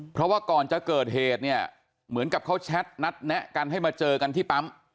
เพราะว่าก่อนจะเกิดเหตุเนี่ยเหมือนกับเขาแชทนัดแนะกันให้มาเจอกันที่ปั๊ม